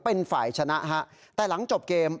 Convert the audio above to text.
เป็นฝ่ายชนะฮะแต่หลังจบเกม